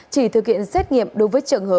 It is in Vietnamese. chỉ thực hiện xét nghiệm đối với trường hợp